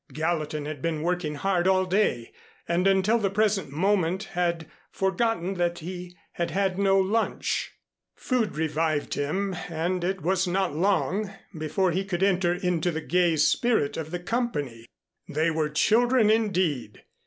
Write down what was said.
Gallatin had been working hard all day and until the present moment had forgotten that he had had no lunch. Food revived him and it was not long before he could enter into the gay spirit of the company. They were children, indeed.